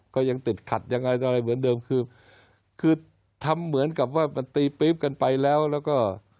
ก็ยังติดขัดยังไงอะไรเหมือนเดิมคือคือทำเหมือนกับว่ามันตีปี๊บกันไปแล้วแล้วก็